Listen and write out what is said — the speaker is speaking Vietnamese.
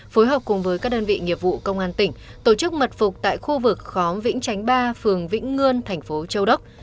phối hợp cùng với các đơn vị nghiệp vụ công an tỉnh tổ chức mật phục tại khu vực khóm vĩnh tránh ba phường vĩnh ngươn tp châu đốc